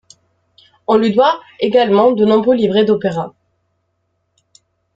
On lui doit également de nombreux livrets d’opéra.